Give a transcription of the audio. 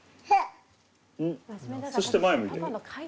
そして前向いて。